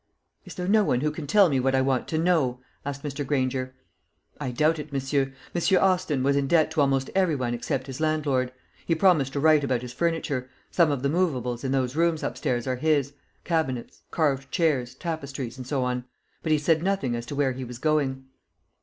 "Is there no one who can tell me what I want to know?" asked Mr. Granger. "I doubt it, monsieur. Monsieur Austin was in debt to almost every one except his landlord. He promised to write about his furniture, some of the movables in those rooms upstairs are his cabinets, carved chairs, tapestries, and so on; but he said nothing as to where he was going."